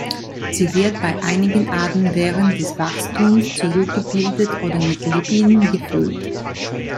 Sie wird bei einigen Arten während des Wachstums zurückgebildet oder mit Lipiden gefüllt.